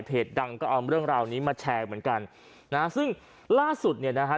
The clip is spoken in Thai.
ดังก็เอาเรื่องราวนี้มาแชร์เหมือนกันนะฮะซึ่งล่าสุดเนี่ยนะฮะ